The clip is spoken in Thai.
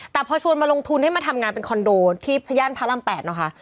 แต่พอชวนมาลงทุนให้มาทำงานเป็นคอนโดที่พย่านพระราม๘นะคะ